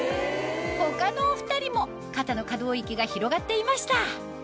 他のお２人も肩の可動域が広がっていました